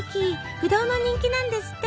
不動の人気なんですって。